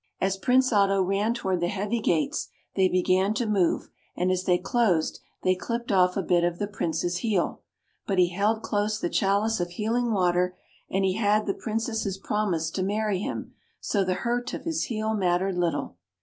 As Prince Otto ran toward the heavy gates, they began to move, and as they closed, they clipped off a bit of the Prince's heel. But he held close the chalice of heal ing water, and he had the Princess' promise to marry him, so the hurt of his heel mat tered little.